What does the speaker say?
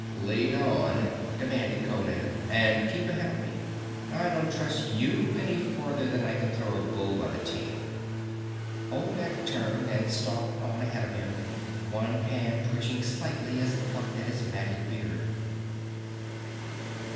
"Lead on," demanded Conan. "And keep ahead of me. I don't trust you any farther than I can throw a bull by the tail." Olmec turned and stalked on ahead of him, one hand twitching slightly as it plucked at his matted beard.